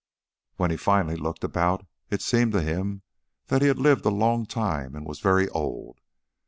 When he finally looked about it seemed to him that he had lived a long time and was very old.